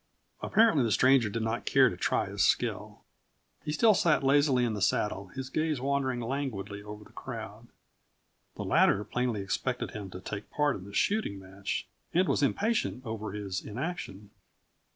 Apparently the stranger did not care to try his skill. He still sat lazily in the saddle, his gaze wandering languidly over the crowd. The latter plainly expected him to take part in the shooting match and was impatient over his inaction.